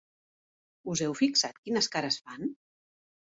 Us heu fixat quines cares fan?